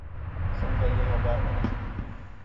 — Шундай йола бармы ни?